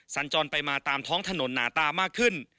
สัญจรไปมาตามท้องถนนหนาตามากขึ้น